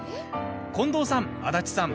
近藤さん、足立さん